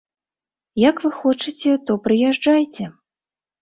Як вы хочаце, то прыязджайце.